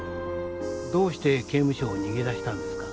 どうして刑務所を逃げ出したんですか？